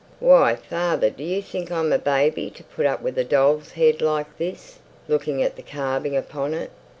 Why, father, do you think I'm a baby to put up with a doll's head like this?" looking at the carving upon it.